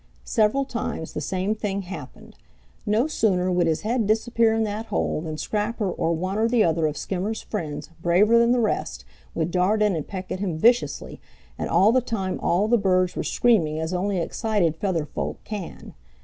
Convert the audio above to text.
Several times the same thing happened. No sooner would his head disappear in that hole than Scrapper or one or the other of Skimmer's friends, braver than the rest, would dart in and peck at him viciously, and all the time all the birds were screaming as only excited feathered folk can.